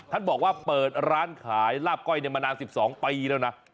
ท่านบอกว่าเปิดร้านขายลาบก้อยมานาน๑๒ปีแล้วนะ